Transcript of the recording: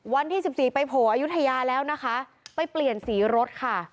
วันที่๑๔ไปโผล่อายุทยาแล้วนะคะไปเปลี่ยนสีรถค่ะ